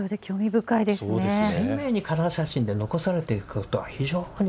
そうですね。